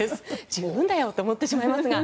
十分だよと思ってしまいますが。